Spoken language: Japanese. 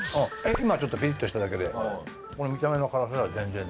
今ちょっとピリッとしただけで見た目の辛さでは全然ない。